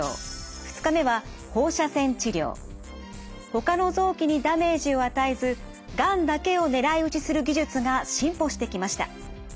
ほかの臓器にダメージを与えずがんだけを狙い撃ちする技術が進歩してきました。